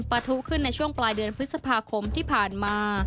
ประทุขึ้นในช่วงปลายเดือนพฤษภาคมที่ผ่านมา